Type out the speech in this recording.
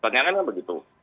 tanyakan kan begitu